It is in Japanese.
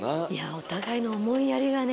お互いの思いやりがね。